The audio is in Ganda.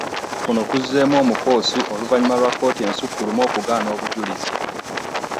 Kuno kuzzeemu omukoosi oluvannyuma lwa kkooti ensukkulumu okugaana obujulizi